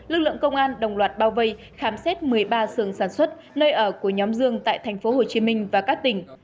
lực lượng công an đồng loạt bao vây khám xét một mươi ba xường sản xuất nơi ở của nhóm dương tại thành phố hồ chí minh và các tỉnh